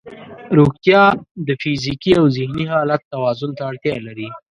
روغتیا د فزیکي او ذهني حالت توازن ته اړتیا لري.